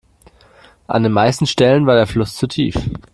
An den meisten Stellen war der Fluss zu tief.